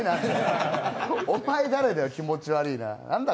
お前誰だよ、気持ち悪いな。